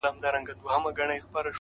ستا د پښې پايزيب مي تخنوي گلي؛